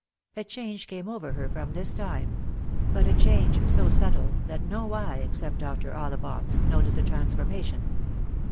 A change came over her from this time ; but a change so subtle that no eye except Dr. Ollivant's noted the transformation.